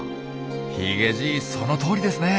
ヒゲじいそのとおりですね！